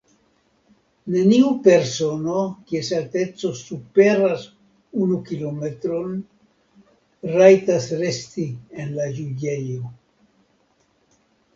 Neniu persono, kies alteco superas unu kilometron, rajtas resti en la juĝejo.